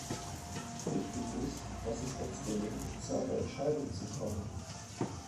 Wichtig ist, dass es uns gelingt, zu einer Entscheidung zu kommen.